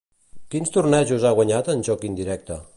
Quins tornejos ha guanyat en joc indirecte?